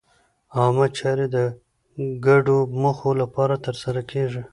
عامه چارې د ګډو موخو لپاره ترسره کېږي.